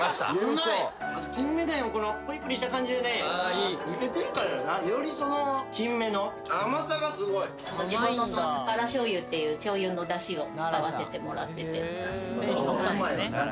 まず金目鯛のこのプリプリした感じでねづけてるからやろなよりその金目の甘さがすごい地元の宝醤油っていう醤油のだしを使わせてもらっててなるほどうまいよね